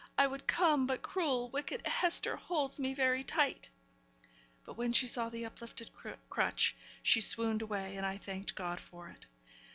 I would come, but cruel, wicked Hester holds me very tight.' But when she saw the uplifted crutch, she swooned away, and I thanked God for it.